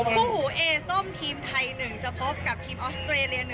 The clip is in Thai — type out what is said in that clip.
คู่หูเอส้มทีมไทย๑จะพบกับทีมออสเตรเลีย๑